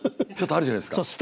ちょっとあるじゃないですか。